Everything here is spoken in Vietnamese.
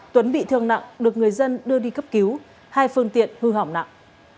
tuấn bị thương nặng được người dân đưa đi cấp cứu hai phương tiện hư hỏng nặng